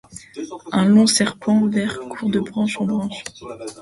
Un long serpent vert court de branche en branche.